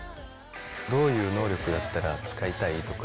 どういう能力だったら使いたい？とか。